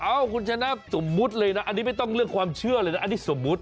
คุณชนะสมมุติเลยนะอันนี้ไม่ต้องเรื่องความเชื่อเลยนะอันนี้สมมุติ